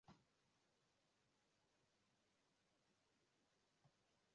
na kwa upande mwingine nchi ya rwanda imekuwa ikisifiwa na mataifa mbalimbali